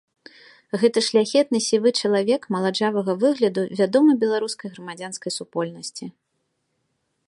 Гэты шляхетны сівы чалавек маладжавага выгляду вядомы беларускай грамадзянскай супольнасці.